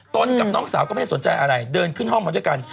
กับน้องสาวก็ไม่สนใจอะไรเดินขึ้นห้องมาด้วยกัน